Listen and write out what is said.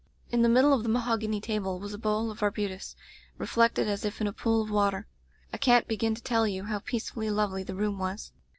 In the middle of the mahogany table was a bowl of arbutus, reflected as if in a pool of water. I can't begin to tell you how peace fully lovely the room was.